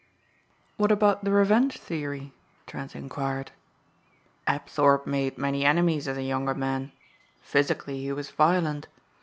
"What about the revenge theory?" Trent inquired. "Apthorpe made many enemies as a younger man. Physically he was violent.